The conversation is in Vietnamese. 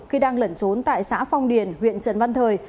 khi đang lẩn trốn tại xã phong điền huyện trần văn thời